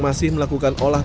masih melakukan olahraga